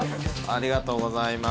ありがとうございます。